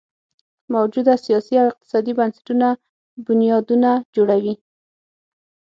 موجوده سیاسي او اقتصادي بنسټونه بنیادونه جوړوي.